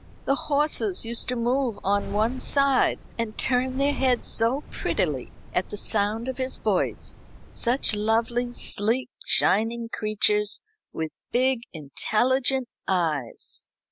The horses used to move on one side, and turn their heads so prettily at the sound of his voice such lovely, sleek, shining creatures, with big intelligent eyes."